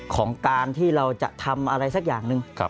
ของการที่เราจะทำอะไรสักอย่างหนึ่ง